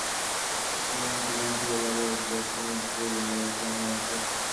ক্লিষ্টকণ্ঠে এলা বললে, তুমি ভুললে কেন, অন্তু?